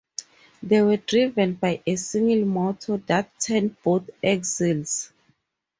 They were driven by a single motor that turned both axles.